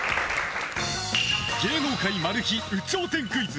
芸能界マル秘有頂天クイズ！